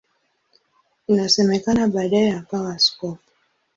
Inasemekana baadaye akawa askofu.